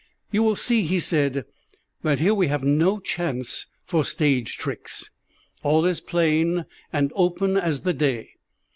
"You will see," he said, "that here we have no chance for stage tricks. All is plain and open as the day.